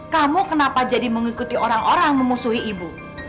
kamu kenapa jadi mengikuti orang orang memusuhi ibu